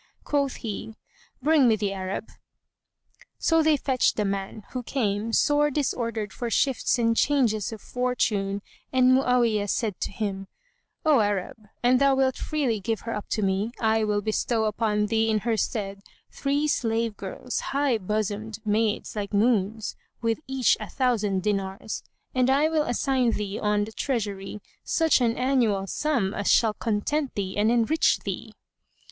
Quoth he, "Bring me the Arab." So they fetched the man, who came, sore disordered for shifts and changes of fortune, and Mu'awiyah said to him, "O Arab, an thou wilt freely give her up to me, I will bestow upon thee in her stead three slave girls, high bosomed maids like moons, with each a thousand dinars; and I will assign thee on the Treasury such an annual sum as shall content thee and enrich thee."